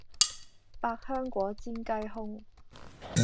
百香果煎雞胸